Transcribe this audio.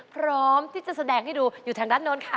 พร้อมที่จะแสดงให้ดูอยู่ทางด้านโน้นค่ะ